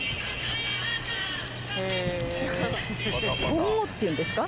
コンゴっていうんですか？